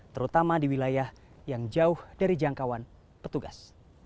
terutama di wilayah yang jauh dari jangkauan petugas